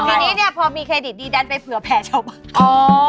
ทีนี้เนี่ยพอมีเครดิตดีดันไปเผื่อแผ่ชาวบ้าน